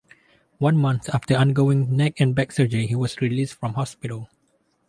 One month after undergoing neck and back surgery he was released from hospital.